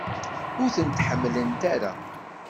Ur t-ḥemmlent ara?